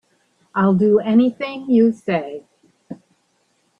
I'll do anything you say.